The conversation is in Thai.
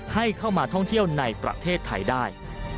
ให้เข้ามาท่องเที่ยวในประเทศไทยได้